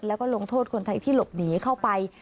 แล้วก็ลงโทษคนไทยที่หลบหนีเข้าไป